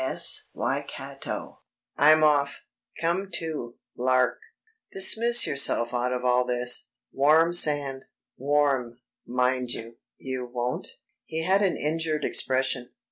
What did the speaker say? S.S. Waikato. I'm off.... Come too ... lark ... dismiss yourself out of all this. Warm sand, warm, mind you ... you won't?" He had an injured expression.